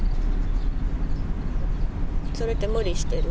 それって無理してる？